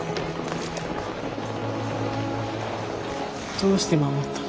どうして守ったの？